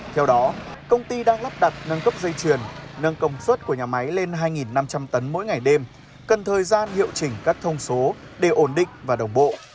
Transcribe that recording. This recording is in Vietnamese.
theo đó công ty đang lắp đặt nâng cấp dây chuyển nâng công suất của nhà máy lên hai năm trăm linh tấn mỗi ngày đêm cần thời gian hiệu chỉnh các thông số để ổn định và đồng bộ